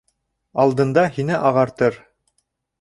Алдында һине ағартыр